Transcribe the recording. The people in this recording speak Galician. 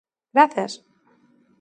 Grazas!